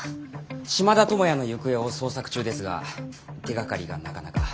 島田友也の行方を捜索中ですが手がかりがなかなか。